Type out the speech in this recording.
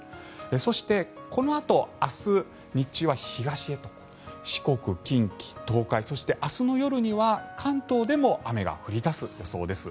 そして、このあと明日日中は東へと四国、近畿、東海そして明日の夜には関東でも雨が降り出す予想です。